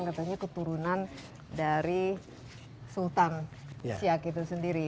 katanya keturunan dari sultan siak itu sendiri